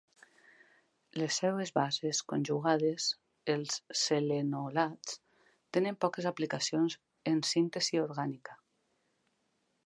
Les seves bases conjugades, els selenolats, tenen poques aplicacions en síntesi orgànica.